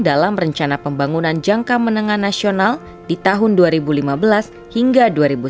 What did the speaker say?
dalam rencana pembangunan jangka menengah nasional di tahun dua ribu lima belas hingga dua ribu sembilan belas